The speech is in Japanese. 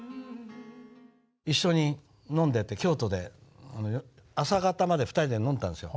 一緒に飲んでて京都で朝方まで２人で飲んでたんですよ。